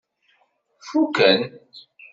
Fuken.